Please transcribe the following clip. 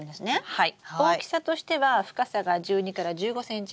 はい。